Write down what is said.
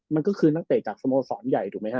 มันก็คือนักเตะจากสมสรรค์ใหญ่ถูกมั้ยฮะ